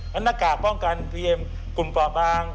นั่นหน้ากากป้องกันเพรียบกลุ่มปลอบบาง